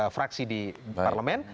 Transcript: fraksi di parlemen